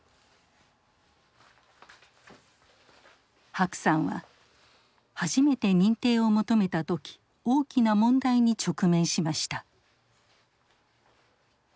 白さんは初めて認定を求めた時大きな問題に直面しました。